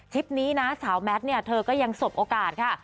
ทริปนี้นะสาวแมทเธอก็ยังสดโอกาสค่ะ